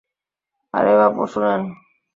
আরে বাপু, শুনেন।